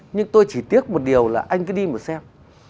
nhưng tôi chỉ tiếc một điều là anh cứ đi một xem